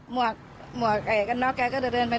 หมวกหมวกแกก็เดินไป